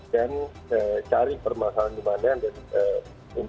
dan cari permasalahan kemanaan